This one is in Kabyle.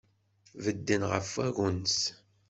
Bedden ɣef wagens.